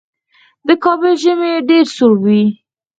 د کابل ژمی ډېر سوړ وي.